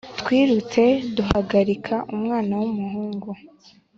Twirutse duhagarika umwana w'umuhungu